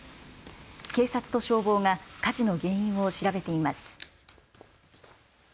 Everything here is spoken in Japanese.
警察と消防が火事の原因を調べています。